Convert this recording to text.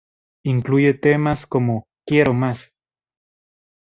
Incluye temas como "¡Quiero más!